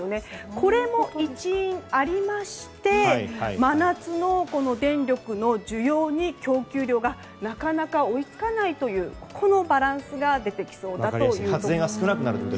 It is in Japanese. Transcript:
これも一因、ありまして真夏の電力の需要に供給量がなかなか追いつかないバランスが出てきそうだということです。